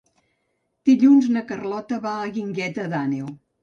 Dilluns na Carlota va a la Guingueta d'Àneu.